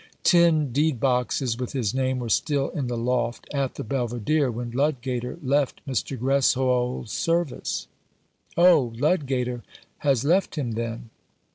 Tin deed boxes with his name were still in the loft at the Belvidere when Ludgater left Mr. Greswold's service." " Oh, Ludgater has left him, then